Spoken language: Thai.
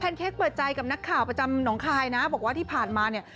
เค้กเปิดใจกับนักข่าวประจำหนองคายนะบอกว่าที่ผ่านมาเนี่ย